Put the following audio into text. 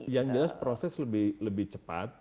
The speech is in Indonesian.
yang jelas proses lebih cepat